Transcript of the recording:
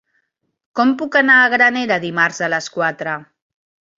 Com puc anar a Granera dimarts a les quatre?